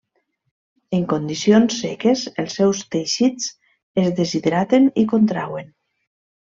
En condicions seques els seus teixits es deshidraten i contrauen.